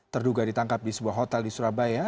terduga ditangkap di sebuah hotel di surabaya